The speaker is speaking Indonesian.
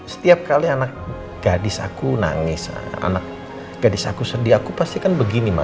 setiap kali anak gadis aku nangis anak gadis aku sedih aku pasti kan begini mas